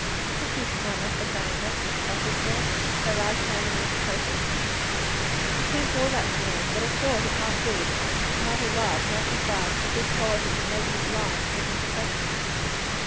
"Thank you, mamma, for saying it," Elsie said, her eyes shining with pleasure. "She seems all that to me; but I thought it might be that mother love magnified her good qualities and made me blind to her imperfections."